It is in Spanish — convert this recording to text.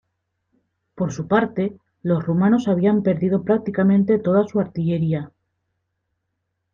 Por su parte, los rumanos habían perdido prácticamente toda su artillería.